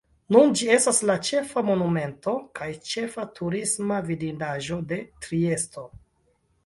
Nun ĝi estas la ĉefa Monumento kaj ĉefa turisma vidindaĵo de Triesto.